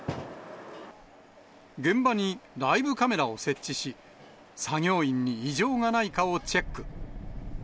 現場にライブカメラを設置し、作業員に異常がないかをチェック。